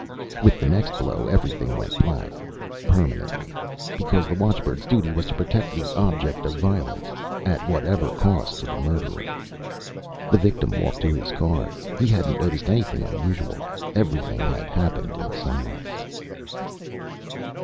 With the next blow, everything went black. Permanently, because the watchbird's duty was to protect the object of violence at whatever cost to the murderer. The victim walked to his car. He hadn't noticed anything unusual. Everything had happened in silence.